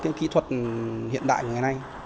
còn hiện đại của ngày nay